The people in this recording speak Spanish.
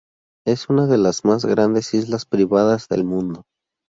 Es una de las más grandes islas privadas del mundo.